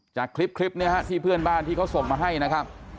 จากคลิปนี้ที่เพื่อนบ้านที่เขาส่งมาให้นะครับ